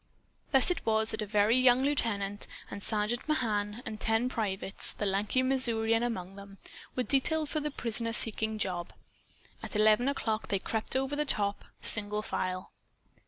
Thus it was that a very young lieutenant and Sergeant Mahan and ten privates the lanky Missourian among them were detailed for the prisoner seeking job. At eleven o'clock, they crept over the top, single file.